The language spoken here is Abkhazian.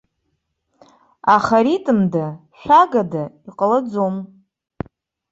Аха ритмда, шәагада иҟалаӡом.